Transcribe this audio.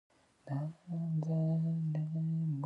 Ngeelooba wii: aaʼa accu en mbaalu nonnon.